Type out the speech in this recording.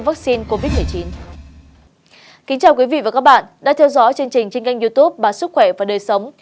kính chào quý vị và các bạn đã theo dõi chương trình trên kênh youtube bà sức khỏe và đời sống